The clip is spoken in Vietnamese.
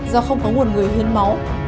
do không có nguồn người hiến máu